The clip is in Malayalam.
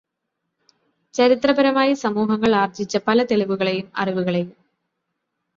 ചരിത്രപരമായി സമൂഹങ്ങൾ ആർജിച്ച പല തെളിവുകളെയും അറിവുകളെയും